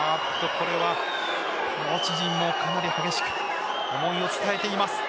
コーチ陣もかなり激しく思いを伝えています。